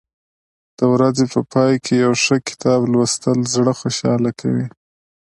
د ورځې په پای کې یو ښه کتاب لوستل زړه خوشحاله کوي.